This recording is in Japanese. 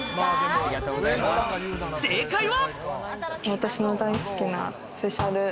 正解は。